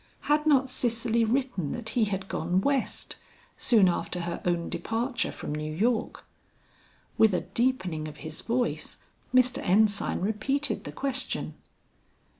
Had not Cicely written that he had gone West, soon after her own departure from New York. With a deepening of his voice Mr. Ensign repeated the question.